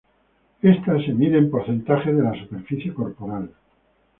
Esta se mide en porcentajes de la superficie corporal.